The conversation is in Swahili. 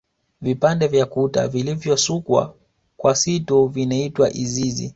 Vipande vya kuta vilivyosukwa kwa sito vinaitwa izizi